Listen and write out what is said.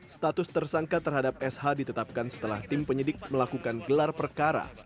status tersangka terhadap sh ditetapkan setelah tim penyidik melakukan gelar perkara